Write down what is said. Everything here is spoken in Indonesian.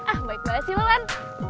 ah baik banget sih lo len